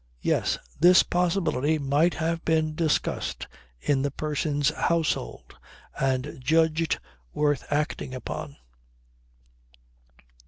Yes. This possibility might have been discussed in the person's household and judged worth acting upon.